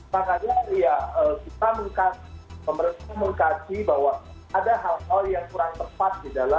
makanya ya kita mengkaji bahwa ada hal hal yang kurang tepat di dalam